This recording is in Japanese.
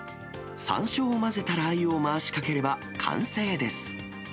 さんしょうを混ぜたラー油を回しかければ、完成です。